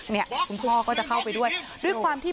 เนี่ยคุณพ่อก็จะเข้าไปด้วยด้วยความที่